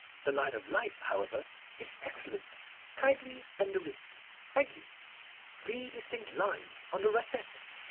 The line of life, however, is excellent. Kindly bend the wrist. Thank you. Three distinct lines on the rascette!